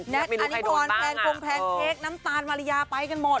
แน็ตอันิพรแฟนคลุมแพรงเทคน้ำตาลมาริยาไปกันหมด